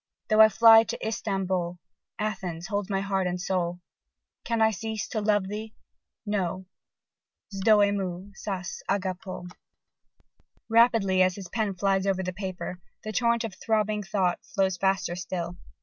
Though I fly to Istambol, Athens holds my heart and soul: Can I cease to love thee? No! Zöe mou, sas agapo. Rapidly as his pen flies over the paper, the torrent of throbbing thought flows faster still.